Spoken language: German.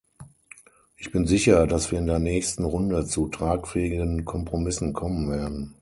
Ich bin sicher, dass wir in der nächsten Runde zu tragfähigen Kompromissen kommen werden.